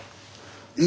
え？